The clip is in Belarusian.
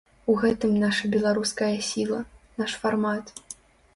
У гэтым наша беларуская сіла, наш фармат.